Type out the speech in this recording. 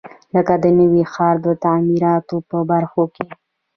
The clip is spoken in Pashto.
لکه د نوي ښار د تعمیراتو په برخو کې.